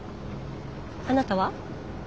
あなたは？